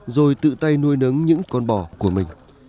rồi tự tay nuôi nấng những con bò của mình